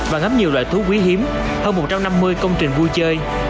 và ngấm nhiều loại thú quý hiếm hơn một trăm năm mươi công trình vui chơi